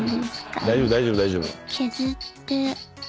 大丈夫大丈夫大丈夫。